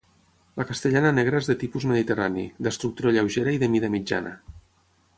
La castellana negra és de tipus mediterrani, d'estructura lleugera i de mida mitjana.